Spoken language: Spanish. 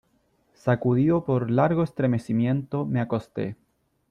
sacudido por largo estremecimiento me acosté .